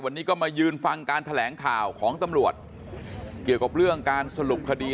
วันนี้ก็มายืนฟังการแถลงข่าวของตำรวจเกี่ยวกับเรื่องการสรุปคดี